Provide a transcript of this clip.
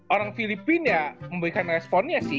orang filipina ya memberikan responnya sih